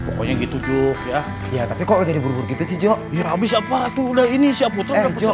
pokoknya gitu juga ya tapi kok jadi buruk itu juga habis apa tuh udah ini siap untuk